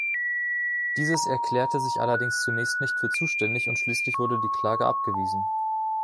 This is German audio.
Dieses erklärte sich allerdings zunächst für nicht zuständig und schließlich wurde die Klage abgewiesen.